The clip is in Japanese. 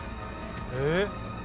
えっ？